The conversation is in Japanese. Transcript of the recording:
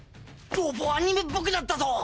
ロボアニメっぽくなったぞ！